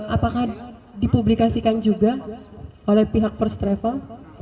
apakah dipublikasikan juga oleh pihak first travel